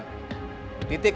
sangat mudah mig pm nya ini